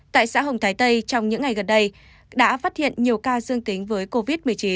tại xã hồng thái tây trong những ngày gần đây đã phát hiện nhiều ca dương tính với covid một mươi chín